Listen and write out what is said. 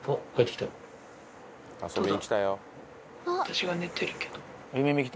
私が寝てるけど。